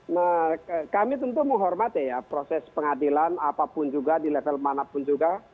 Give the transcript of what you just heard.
nah kami tentu menghormati ya proses pengadilan apapun juga di level manapun juga